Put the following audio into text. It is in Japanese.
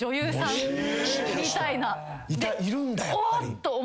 いるんだやっぱり。